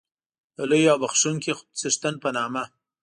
د لوی او بښوونکي څښتن په نامه.